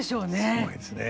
すごいですね。